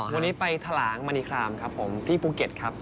วันนี้ไปถลางมณีครามครับผมที่ภูเก็ตครับ